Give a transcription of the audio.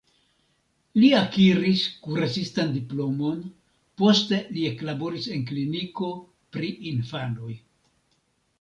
Li akiris kuracistan diplomon, poste li eklaboris en kliniko pri infanoj.